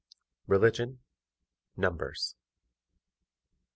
Religion. Numbers.